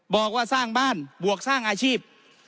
บอกว่าสร้างบ้านบวกสร้างอาชีพ